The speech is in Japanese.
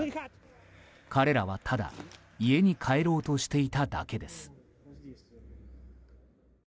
彼らはただ家に帰ろうとしていただけです。